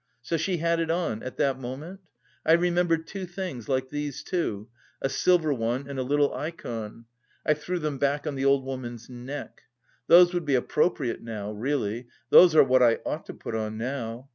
So she had it on... at that moment? I remember two things like these too, a silver one and a little ikon. I threw them back on the old woman's neck. Those would be appropriate now, really, those are what I ought to put on now....